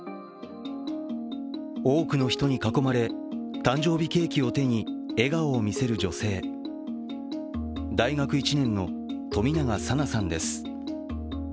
多くの人に囲まれ誕生日ケーキを手に笑顔を見せる女性、大学１年の冨永紗菜さんです。